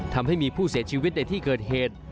ทำให้มีผู้เสียชีวิตในที่เกิดเหตุ